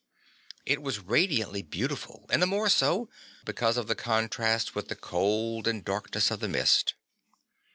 It was radiantly beautiful and the more so, because of the contrast with the cold and darkness of the mist.